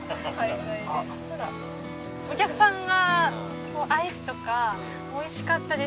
お客さんがアイスとかおいしかったです！